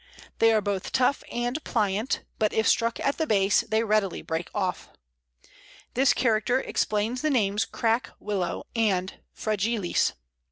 They are both tough and pliant, but if struck at the base they readily break off. This character explains the names Crack Willow and fragilis.